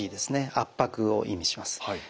圧迫を意味します。